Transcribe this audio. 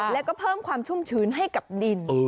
แล้วก็เพิ่มความชุ่มชื้นให้กับดิน